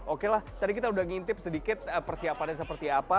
oke lah tadi kita udah ngintip sedikit persiapannya seperti apa